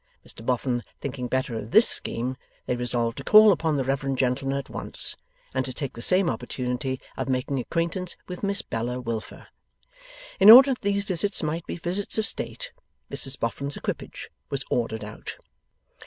Mr Boffin thinking better of this scheme, they resolved to call upon the reverend gentleman at once, and to take the same opportunity of making acquaintance with Miss Bella Wilfer. In order that these visits might be visits of state, Mrs Boffin's equipage was ordered out.